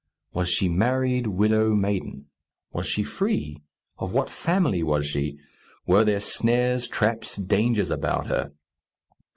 Was she married, widow, maiden? Was she free? Of what family was she? Were there snares, traps, dangers about her?